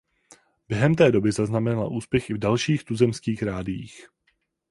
Během té doby zaznamenala úspěch i v dalších tuzemských rádiích.